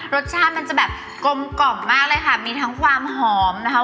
รสชาติมันจะแบบกลมกล่อมมากเลยค่ะมีทั้งความหอมนะคะ